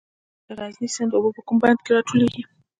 د غزني سیند اوبه په کوم بند کې راټولیږي؟